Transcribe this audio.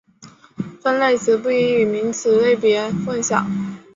分类词不应与名词类别混淆。